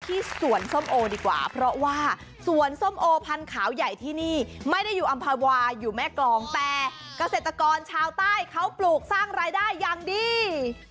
ที่สวนส้มโอดีกว่าเพราะว่าสวนส้มโอพันธุ์ใหญ่ที่นี่ไม่ได้อยู่อำภาวาอยู่แม่กรองแต่เกษตรกรชาวใต้เขาปลูกสร้างรายได้อย่างดี